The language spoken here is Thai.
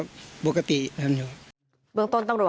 บอกยังไงครับ